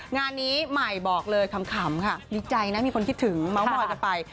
งานนี้ใหม่บอกเลยขำค่ะดีใจนะมีคนคิดถึงเม้ามอยกันไป